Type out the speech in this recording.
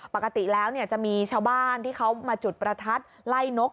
ปกติแล้วจะมีชาวบ้านที่เขามาจุดประทัดไล่นก